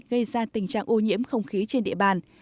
gây ra tình trạng ô nhiễm không khí trên địa bàn